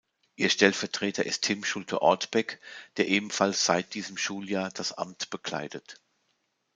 Ihr Stellvertreter ist Tim Schulte-Ortbeck, der ebenfalls seit diesem Schuljahr das Amt bekleidet.